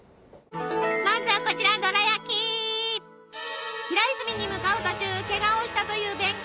まずはこちら平泉に向かう途中けがをしたという弁慶。